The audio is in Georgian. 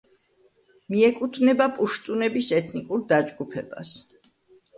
მიეკუთვნება პუშტუნების ეთნიკურ დაჯგუფებას.